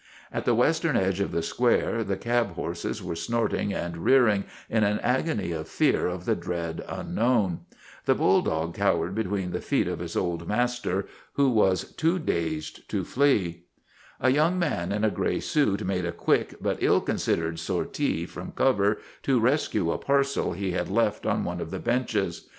At the western edge of the Square the cab horses were snorting and rearing in an agony of fear of the dread unknown. The bulldog cowered between the THE BLOOD OF HIS FATHERS 185 feet of his old master, who was too dazed to flee. A young man in a gray suit made a quick but ill considered sortie from cover to rescue a parcel he had left on one of the benches.